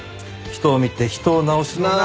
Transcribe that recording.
人を見て人を治すのが。